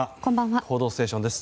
「報道ステーション」です。